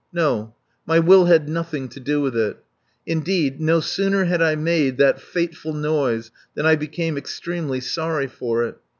No. My will had nothing to do with it. Indeed, no sooner had I made that fateful noise than I became extremely sorry for it.